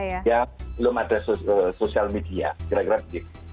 yang belum ada sosial media kira kira begitu